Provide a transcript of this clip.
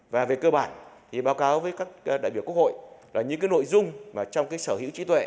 và về cơ bản thì báo cáo với các đại biểu quốc hội là những nội dung trong sở hữu trí tuệ